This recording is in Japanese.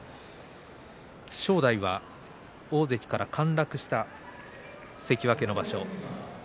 正代は大関から陥落した関脇の場所。